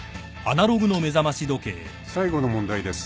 ［最後の問題です］